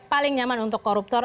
paling nyaman untuk koruptor